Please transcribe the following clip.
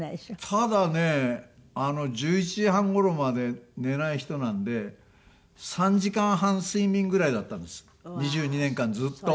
ただね１１時半頃まで寝ない人なんで３時間半睡眠ぐらいだったんです２２年間ずっと。